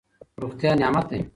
روغتیا نعمت دی.